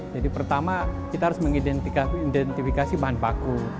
pertama kita harus mengidentifikasi bahan baku